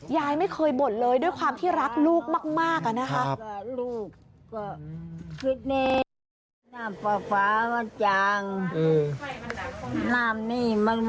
ยายไม่เคยบ่นเลยด้วยความที่รักลูกมากอะนะคะ